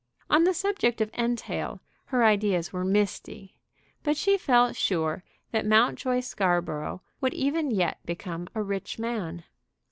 On the subject of entail her ideas were misty; but she felt sure that Mountjoy Scarborough would even yet become a rich man.